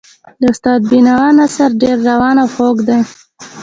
د استاد د بینوا نثر ډېر روان او خوږ دی.